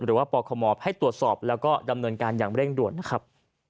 หรือว่าปคมให้ตรวจสอบแล้วก็ดำเนินการอย่างเร่งด่วนนะครับ